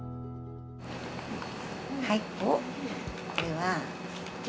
はい。